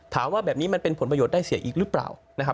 ถามว่าแบบนี้มันเป็นผลประโยชน์ได้เสียอีกหรือเปล่านะครับ